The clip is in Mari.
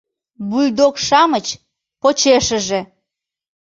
Бульдог-шамыч - почешыже.